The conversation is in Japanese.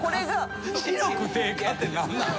「視力低下」って何なん？